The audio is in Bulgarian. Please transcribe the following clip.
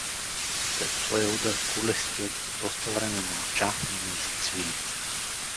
След тоя удар кулестият доста време мълча и не изцвили.